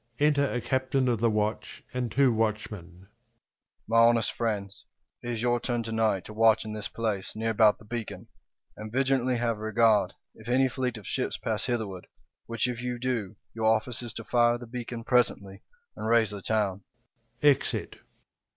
Enter a Captain of the Watch, and two Watchmen. Capt. My honest friends, it is your turn to night, To watch in this place, near about the beacon, And vigilantly have regard, If any fleet of ships pass hitherward : Which if you do, your office is to fire 5 The beacon presently, and raise the town.